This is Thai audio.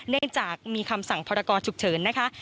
เนื่องจากมีคำสั่งพรกรฉุกเฉินนะคะ